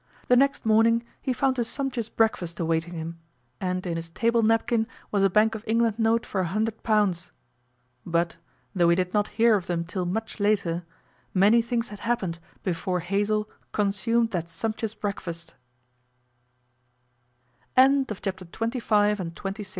The next morning he found a sumptuous breakfast awaiting him, and in his table napkin was a Bank of England note for a hundred pounds. But, though he did not hear of them till much later, many things had happened before Hazell consumed that sumptuou